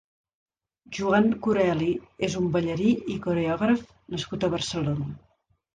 Juan Coreli és un ballarí i coreògraf nascut a Barcelona.